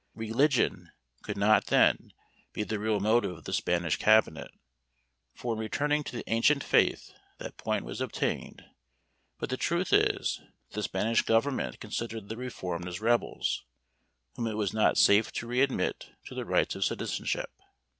Religion could not, then, be the real motive of the Spanish cabinet, for in returning to the ancient faith that point was obtained; but the truth is, that the Spanish government considered the reformed as rebels, whom it was not safe to re admit to the rights of citizenship.